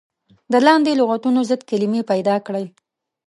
د لاندې لغتونو ضد کلمې پيداکړئ.